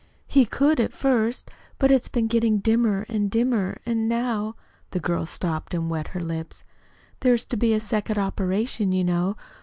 "He could, at first, but it's been getting dimmer and dimmer, and now" the girl stopped and wet her lips "there's to be a second operation, you know.